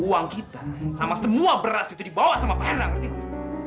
uang kita sama semua beras itu dibawa sama pak herna ngerti kok